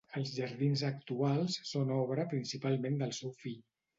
Els jardins actuals són obra principalment del seu fill.